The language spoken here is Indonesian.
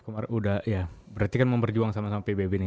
berarti kan memperjuang sama sama pbb ini